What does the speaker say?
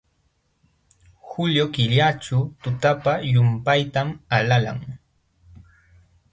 Julio killaćhu tutapa llumpaytam alalan.